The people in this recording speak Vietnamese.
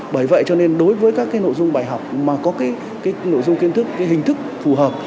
bởi vậy cho nên đối với các cái nội dung bài học mà có cái nội dung kiến thức cái hình thức phù hợp